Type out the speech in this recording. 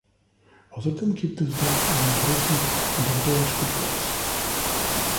Außerdem gibt es dort einen großen Abenteuerspielplatz.